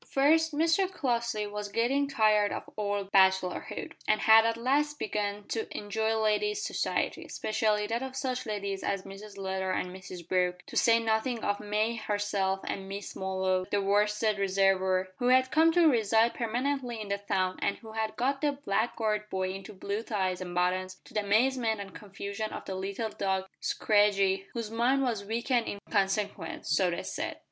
First, Mr Crossley was getting tired of old bachelorhood, and had at last begun to enjoy ladies' society, especially that of such ladies as Mrs Leather and Mrs Brooke, to say nothing of May herself and Miss Molloy the worsted reservoir who had come to reside permanently in the town and who had got the "Blackguard Boy" into blue tights and buttons, to the amazement and confusion of the little dog Scraggy, whose mind was weakened in consequence so they said.